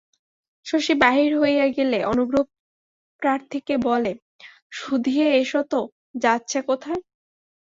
শশী বাহির হইয়া গেলে অনুগ্রহপ্রার্থীকে বলে, শুধিয়ে এসো তো যাচ্ছে কোথায়?